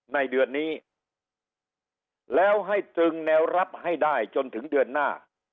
ในเดือนนี้แล้วให้ตรึงแนวรับให้ได้จนถึงเดือนหน้า